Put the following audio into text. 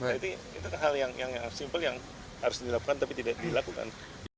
jadi itu hal yang simple yang harus dilakukan tapi tidak dilakukan